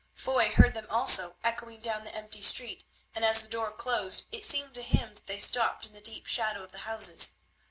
Foy heard them also echoing down the empty street, and as the door closed it seemed to him that they stopped in the deep shadow of the houses.